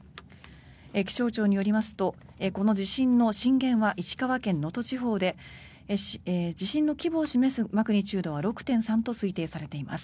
気象庁によりますとこの地震の震源は石川県能登地方で地震の規模を示すマグニチュードは６．３と推定されています。